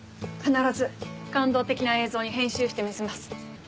必ず感動的な映像に編集してみせます。